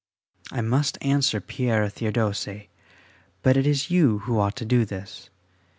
I must answer Père Théodose, but it is you who ought to do this.